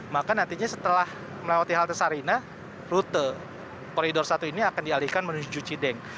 maka nantinya setelah melewati halte sarina rute koridor satu ini akan dialihkan menuju cideng